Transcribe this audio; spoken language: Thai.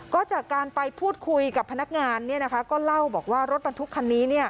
ก็จากการไปพูดคุยกับพนักงานก็เล่าบอกว่ารถบรรทุกคันนี้